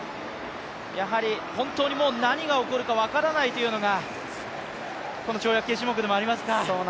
本当に何が起こるか分からないというのがこの跳躍系でもありますが。